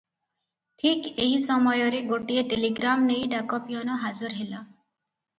ଠିକ୍ ଏହି ସମୟରେ ଗୋଟିଏ ଟେଲିଗ୍ରାମ ନେଇ ଡାକ ପିଅନ ହାଜର ହେଲା ।